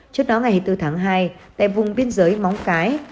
trước đó ngày bốn tháng hai tại vùng biên giới móng cái